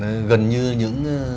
vâng gần như những